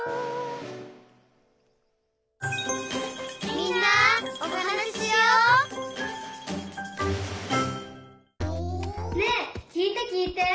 「みんなおはなししよう」ねえきいてきいて。